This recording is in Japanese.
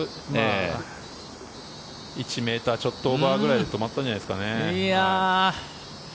１ｍちょっとオーバーくらいで止まったんじゃないですかね。